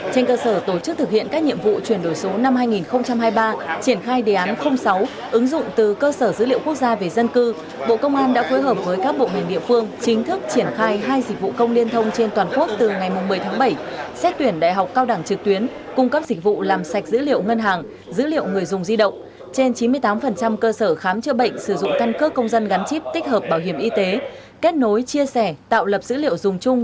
trên cơ sở tổ chức thực hiện các nhiệm vụ chuyển đổi số năm hai nghìn hai mươi ba triển khai đề án sáu ứng dụng từ cơ sở dữ liệu quốc gia về dân cư bộ công an đã phối hợp với các bộ mình địa phương chính thức triển khai hai dịch vụ công liên thông trên toàn quốc từ ngày một mươi tháng bảy xét tuyển đại học cao đẳng trực tuyến cung cấp dịch vụ làm sạch dữ liệu ngân hàng dữ liệu người dùng di động trên chín mươi tám cơ sở khám chữa bệnh sử dụng căn cơ công dân gắn chip tích hợp bảo hiểm y tế kết nối chia sẻ tạo lập dữ liệu dùng